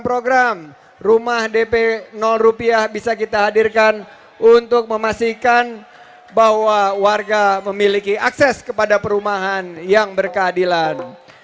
program rumah dp rupiah bisa kita hadirkan untuk memastikan bahwa warga memiliki akses kepada perumahan yang berkeadilan